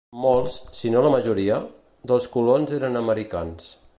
Molts, si no la majoria, dels colons eren americans.